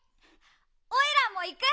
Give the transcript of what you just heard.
おいらもいく！